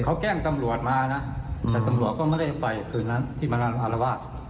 เขาแกล้งกำลัวมานะแต่กำลัวก็ไม่ได้ไปคืนนั้นที่มารับอาลาวาค